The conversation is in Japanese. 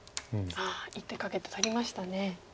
一手かけて取りましたね。